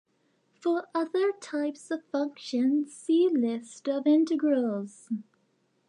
For other types of functions, see lists of integrals.